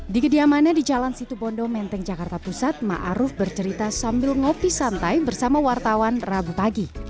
di kediamannya di jalan situbondo menteng jakarta pusat ⁇ maruf ⁇ bercerita sambil ngopi santai bersama wartawan rabu pagi